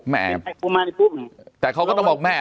แม่แต่เขาก็ต้องบอกแม่